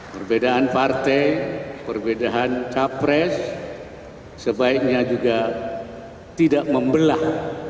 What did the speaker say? perbedaan partai perbedaan capres sebaiknya juga tidak membelah